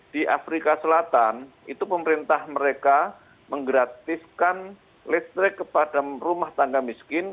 di afrika selatan itu pemerintah mereka menggratiskan listrik kepada rumah tangga miskin